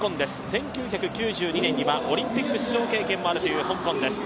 １９８２年には、オリンピック出場経験もあるという香港です。